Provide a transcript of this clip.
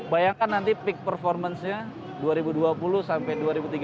bayangkan nanti peak performance nya dua ribu dua puluh sampai dua ribu tiga puluh